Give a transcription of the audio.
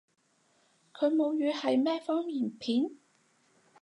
佢母語係咩方言片？